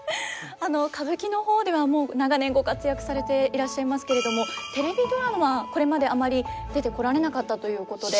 歌舞伎の方ではもう長年ご活躍されていらっしゃいますけれどもテレビドラマこれまであまり出てこられなかったということで。